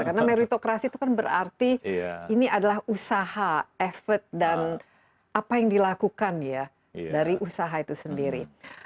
karena meritokrasi itu kan berarti ini adalah usaha efek dan apa yang dilakukan ya dari usaha itu sendiri